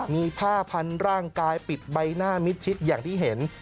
มีผ้าพันร่างกายปิดใบหน้ามิดชิดอย่างที่เห็น